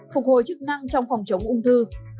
phục hồi chức năng trong phòng chống ung thư